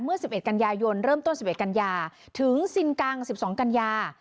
เมื่อ๑๑กันยายนเริ่มต้น๑๑กันยาถึงซินกัง๑๒กันยา